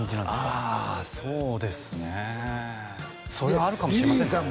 あそうですねそれもあるかもしれませんね